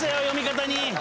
読み方に。